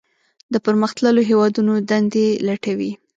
د پرمختللو هیوادونو دندې لټوي.